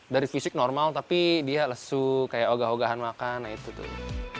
dia lesu kayak ogah ogahan makan nah itu tuh